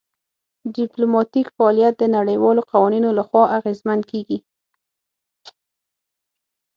ډیپلوماتیک فعالیت د نړیوالو قوانینو لخوا اغیزمن کیږي